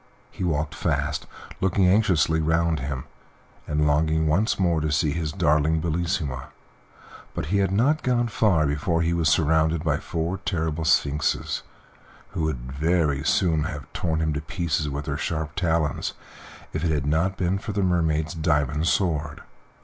He walked fast, looking anxiously round him, and longing once more to see his darling Bellissima, but he had not gone far before he was surrounded by four terrible sphinxes who would very soon have torn him to pieces with their sharp talons if it had not been for the Mermaid's diamond sword.